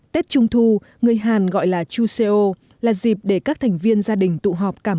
tết trung thu người hàn gọi là chuseo là dịp để các thành viên gia đình tụ họp cảm ơn